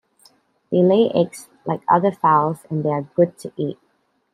They lay eggs like other fowls, and they are good to eat.